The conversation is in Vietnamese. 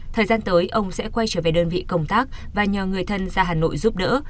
thời gian tới ông sẽ quay trở về đơn vị công tác và nhờ người thân ra hà nội giúp đỡ